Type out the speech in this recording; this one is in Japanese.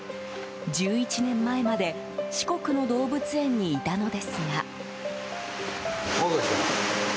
１１年前まで四国の動物園にいたのですが。